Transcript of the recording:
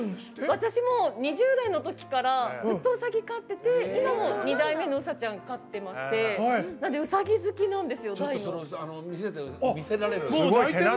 私もう２０代のころからずっとうさぎ飼ってて今も２代目のうさちゃん飼ってましてうさぎ好きなんです。